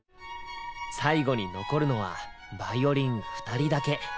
最後に残るのはヴァイオリン２人だけ。